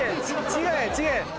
違う！